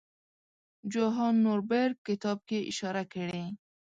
جوهان نوربیرګ کتاب کې اشاره کړې.